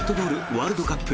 ワールドカップ